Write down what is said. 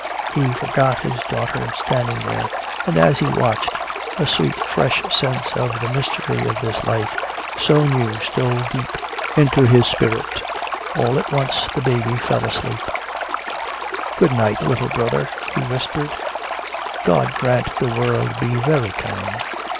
He forgot his daughter standing there; and as he watched, a sweet fresh sense of the mystery of this life so new stole deep into his spirit. All at once the baby fell asleep. "Good night, little brother," he whispered. "God grant the world be very kind."